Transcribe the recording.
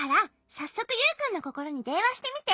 さっそくユウくんのココロにでんわしてみて。